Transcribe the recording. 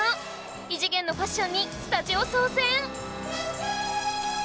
異次元のファッションにスタジオ騒然！